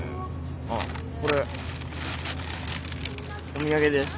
あっこれお土産です。